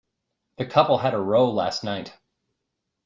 The couple had a row last night.